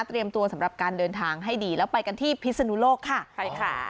ตัวสำหรับการเดินทางให้ดีแล้วไปกันที่พิศนุโลกค่ะไปค่ะ